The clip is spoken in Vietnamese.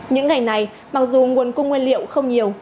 những ngày này mặc dù nguồn cung nguyên liệu không nhiều